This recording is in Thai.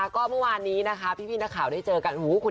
เมื่อวานีพี่นาข่าวได้เจอกัน